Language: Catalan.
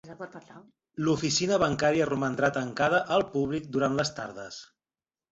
L'oficina bancària romandrà tancada al públic durant les tardes.